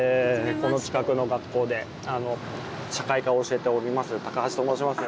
この近くの学校で社会科を教えております橋と申します。